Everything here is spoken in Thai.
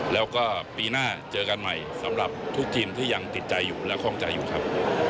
แล้วก็ปีหน้าเจอกันใหม่สำหรับทุกทีมที่ยังติดใจอยู่และข้องใจอยู่ครับ